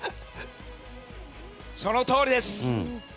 そのとおりです！